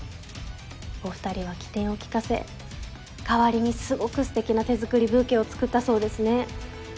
お２人は機転を利かせ代わりにすごく素敵な手作りブーケを作ったそうですね。